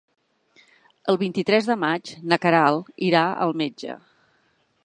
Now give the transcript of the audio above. El vint-i-tres de maig na Queralt irà al metge.